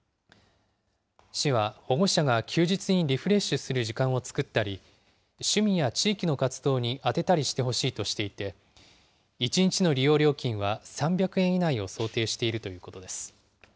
市は保護者が休日にリフレッシュする時間を作ったり、趣味や地域の活動にあてたりしてほしいとしていて、１日の利用料金は３００円以内を想定しているということです。